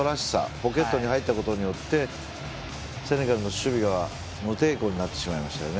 ポケットに入ったことによってセネガルの守備が無抵抗になってしまいましたよね。